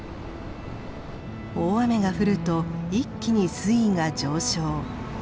大雨が降ると一気に水位が上昇。